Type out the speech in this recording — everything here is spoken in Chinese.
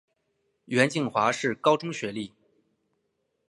袁敬华是高中学历。